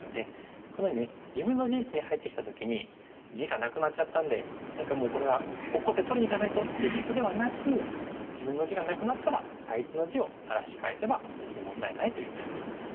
このように自分の陣地に入ってきた時に地がなくなっちゃったんで何かもうこれは怒って取りにいかないとっていうことではなく自分の地がなくなったら相手の地を荒らし返せば別に問題ないということなんですよね。